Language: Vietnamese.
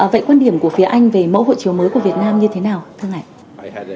vậy quan điểm của phía anh về mẫu hộ chiếu mới của việt nam như thế nào thưa anh